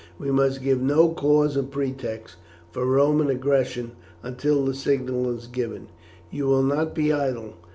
We must give no cause or pretext for Roman aggression until the signal is given. You will not be idle.